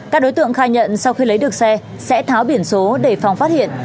các đối tượng khai nhận sau khi lấy được xe sẽ tháo biển số để phòng phát hiện